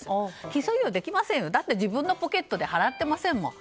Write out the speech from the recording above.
起訴猶予できませんよだって自分のポケットで払ってませんもん。